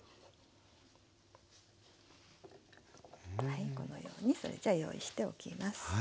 はいこのようにそれじゃ用意しておきます。